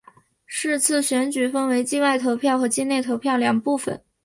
是次选举分为境外投票和境内投票两部分。